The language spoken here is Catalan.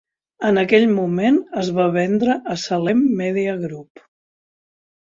En aquell moment, es va vendre a Salem Media Group.